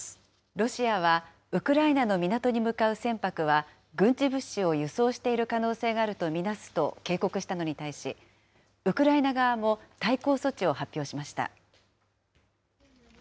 ロシアはウクライナの港に向かう船舶は、軍事物資を輸送している可能性があると見なすと警告したのに対し、ウクライナ側も、対抗措置を発表しました。